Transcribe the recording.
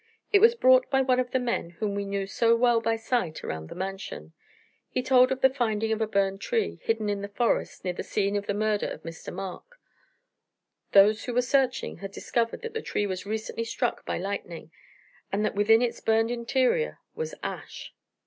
It was brought by one of the men whom we knew so well by sight around the Mansion. He told of the finding of a burned tree, hidden in the forest, near the scene of the murder of Mr. Mark. Those who were searching had discovered that the tree was recently struck by lightning and that within its burned interior was ash.